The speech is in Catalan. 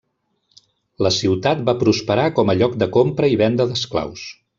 La ciutat va prosperar com a lloc de compra i venda d'esclaus.